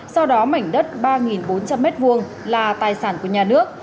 sau đó mảnh đất ba bốn trăm linh m hai là tài sản của nhà nước